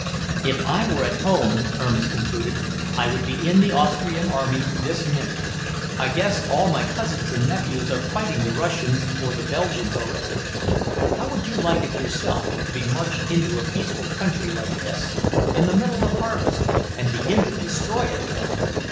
"If I were at home," Ernest concluded, "I would be in the Austrian army this minute. I guess all my cousins and nephews are fighting the Russians or the Belgians already. How would you like it yourself, to be marched into a peaceful country like this, in the middle of harvest, and begin to destroy it?"